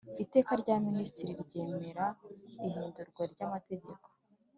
iteka rya minisitiri ryemera ihindurwa ry amategeko